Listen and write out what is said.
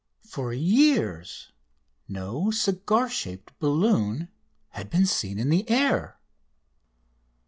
For years no "cigar shaped" balloon had been seen in the air.